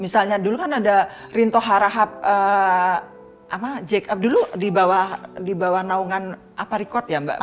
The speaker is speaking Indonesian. misalnya dulu kan ada rinto harahap jack abdul dibawah naungan apa record ya mbak